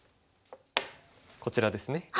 こちらですね。